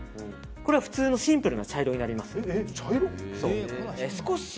これは普通のシンプルな茶色です。